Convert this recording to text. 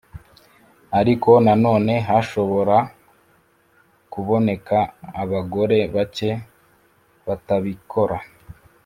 Ariko nanone hashobora kuboneka abagore bake batabikora